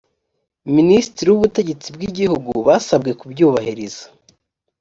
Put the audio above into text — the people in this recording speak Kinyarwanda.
minisitiri w’ubutegetsi bw’igihugu basabwe kubyubahiriza